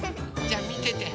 じゃあみてて。